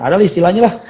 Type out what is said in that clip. ada istilahnya lah